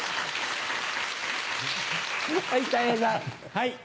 はい。